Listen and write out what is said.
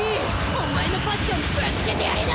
おまえのパッションぶつけてやりな！